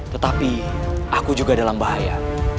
tetapi aku juga dalam bahaya